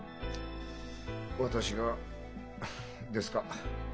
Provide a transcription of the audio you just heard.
私がですか？